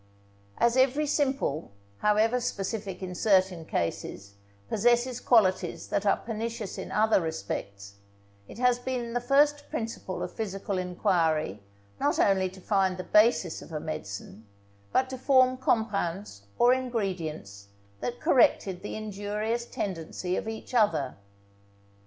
As every simple, however specific in certain cases, possesses qualities that are pernicious in other respects, it has been the first principle of physical enquiry not only to find the basis of a medicine, but to form compounds or ingredients that corrected the injurious tendency of each other.